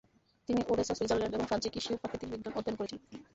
তিনি Odessa, Switzerland এবং ফ্রান্সে কৃষি ও প্রাকৃতিক বিজ্ঞান অধ্যয়ন করেছিলেন।